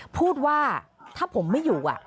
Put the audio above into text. พูดว่าถ้าผมไม่อยู่